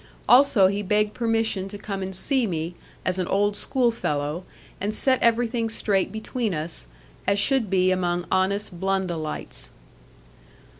Also he begged permission to come and see me, as an old schoolfellow, and set everything straight between us, as should be among honest Blundellites.